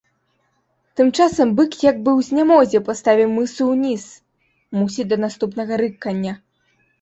Тым часам бык як бы ў знямозе паставіў мысу ўніз, мусіць да наступнага рыкання.